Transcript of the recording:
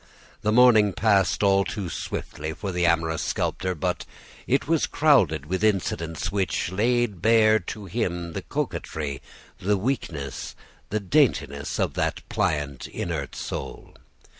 The morning passed all too swiftly for the amorous sculptor, but it was crowded with incidents which laid bare to him the coquetry, the weakness, the daintiness, of that pliant, inert soul.